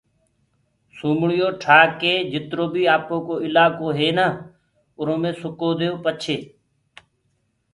سومݪيون ٺآ ڪي جِترو بيٚ اَپڻو اِلآڪو هي نآ اُرو مي سُڪو ديئو پڇي